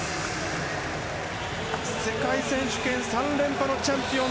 世界選手権３連覇のチャンピオン